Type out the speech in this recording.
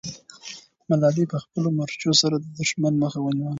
ملالۍ په خپلو مرچو سره د دښمن مخه ونیوله.